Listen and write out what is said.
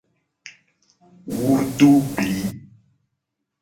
Wo do bli.